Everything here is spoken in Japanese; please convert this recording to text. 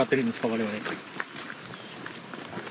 我々。